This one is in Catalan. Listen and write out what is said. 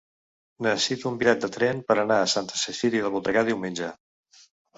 Necessito un bitllet de tren per anar a Santa Cecília de Voltregà diumenge.